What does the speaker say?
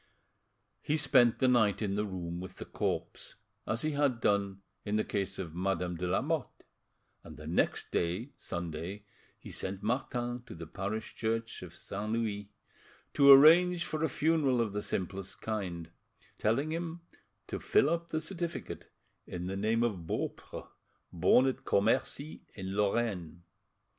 He spent the night in the room with the corpse, as he had done in the case of Madame de Lamotte, and the next day, Sunday, he sent Martin to the parish church of St. Louis, to arrange for a funeral of the simplest kind; telling him to fill up the certificate in the name of Beaupre, born at Commercy, in Lorraine.